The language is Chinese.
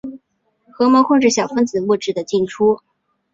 核膜控制小分子物质的进出。